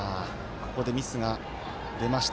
ここでミスが出ました。